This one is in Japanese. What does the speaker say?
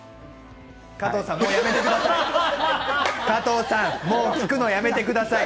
加藤さん、もうやめてください。